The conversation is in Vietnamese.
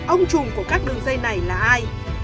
ông chùm của các đường dây này là ai